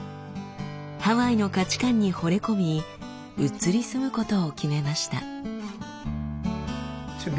ハワイの価値観にほれ込み移り住むことを決めました。